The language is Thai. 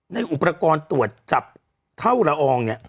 ในอุปกรณ์ตรวจจับเท่าละอองเนี่ย